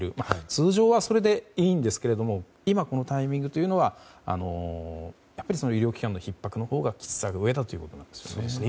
通常は、それでいいんですけど今、このタイミングというのは医療機関のひっ迫のほうが上だということですね。